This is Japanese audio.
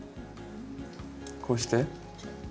こうして。